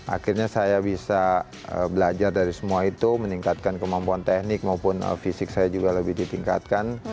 akhirnya saya bisa belajar dari semua itu meningkatkan kemampuan teknik maupun fisik saya juga lebih ditingkatkan